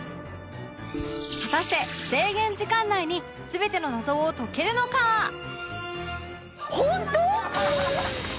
果たして制限時間内に全ての謎を解けるのか？ホント！？